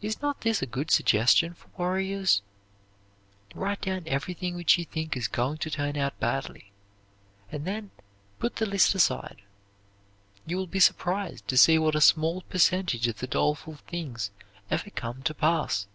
Is not this a good suggestion for worriers? Write down everything which you think is going to turn out badly, and then put the list aside. You will be surprised to see what a small percentage of the doleful things ever come to pass.